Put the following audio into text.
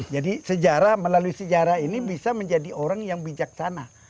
jadi sejarah melalui sejarah ini bisa menjadi orang yang bijaksana